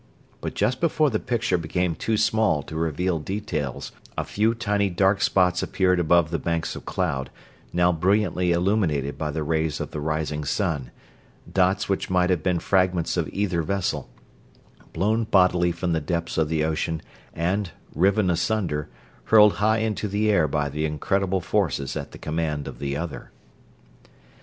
But just before the picture became too small to reveal details a few tiny dark spots appeared above the banks of cloud, now brilliantly illuminated by the rays of the rising sun dots which might have been fragments of either vessel, blown bodily from the depths of the ocean and, riven asunder, hurled high into the air by the incredible forces at the command of the other.